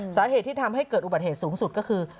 สาเหตุที่ทำให้เกิดอุบัติเหตุสูงสุดก็คือ